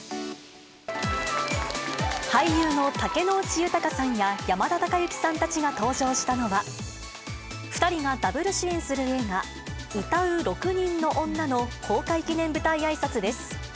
俳優の竹野内豊さんや山田孝之さんたちが登場したのは、２人がダブル主演する映画、唄う六人の女の公開記念舞台あいさつです。